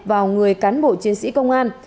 vào người cán bộ chiến sĩ công an